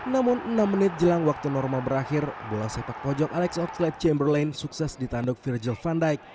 namun enam menit jelang waktu normal berakhir bola sepak pojok alex oxlade chamberlain sukses ditanduk virgil van dijk